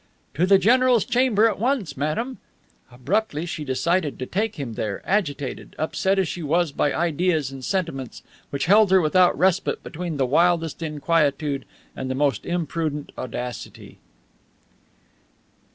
"To the general's chamber, at once, madame." Abruptly she decided to take him there, agitated, upset as she was by ideas and sentiments which held her without respite between the wildest inquietude and the most imprudent audacity.